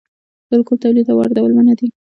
د الکول تولید او واردول منع دي